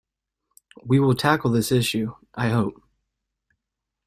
We will tackle this issue, I hope.